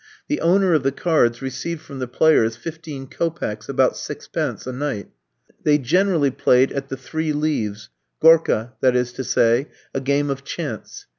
The owner of the cards received from the players fifteen kopecks [about sixpence] a night. They generally played at the "three leaves" Gorka, that is to say: a game of chance.